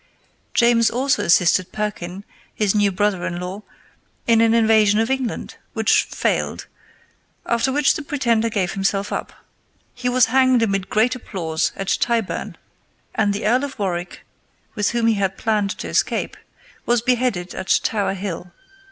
James also assisted Perkin, his new brother in law, in an invasion of England, which failed, after which the pretender gave himself up. He was hanged amid great applause at Tyburn, and the Earl of Warwick, with whom he had planned to escape, was beheaded at Tower Hill.